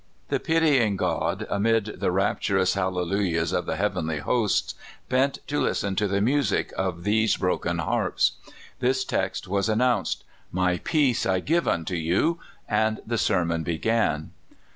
The pitying God, amid the rapturous hal lelujahs of the heavenly hosts, bent to listen to the 158 CALIFORNIA SKETCHES. music of these broken harps. This text was an nounced, " My peace I give unto you; " and the sermon began.